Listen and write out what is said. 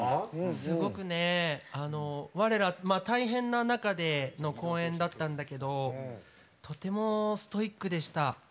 すごくねわれら、大変な中での公演だったんだけどとてもストイックでした。